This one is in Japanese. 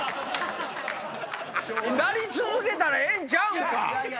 鳴り続けたらええんちゃうんか？